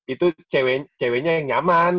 itu ceweknya yang nyaman